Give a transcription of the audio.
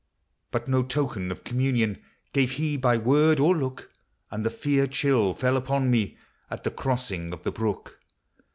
But no token of communion Gave he by word or look, And the fear chill fell upon me, At the crossing of the brook.